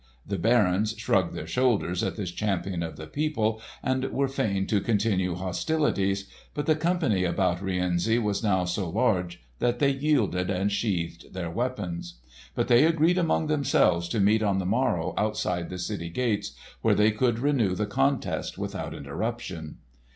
The barons shrugged their shoulders at this champion of the people, and were fain to continue hostilities, but the company about Rienzi was now so large that they yielded and sheathed their weapons. But they agreed among themselves to meet on the morrow outside the city gates, where they could renew the contest without interruption.